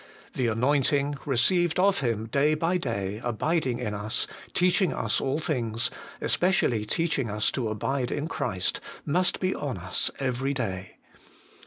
The anointing, received of Him day by day, abiding in us, teaching us all things, especially teaching us to abide in Christ, must be on us every day.